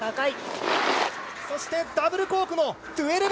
そしてダブルコークの１２６０。